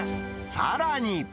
さらに。